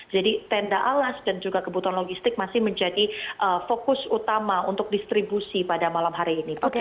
jadi tenda alas dan juga kebutuhan logistik masih menjadi fokus utama untuk distribusi pada malam hari ini